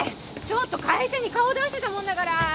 ちょっと会社に顔出してたもんだから。